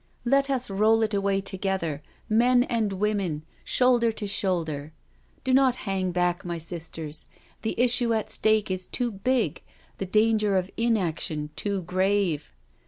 Let us roll it away together, men and women, shoulder to shoulder— do not hang back, my sisters, the issue at stake is too big, the danger of inaction too grave.